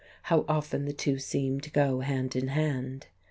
How often the two seem to go hand in hand!